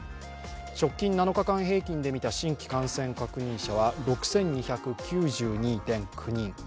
直近７日間平均で見た新規感染者は６２９２．９人。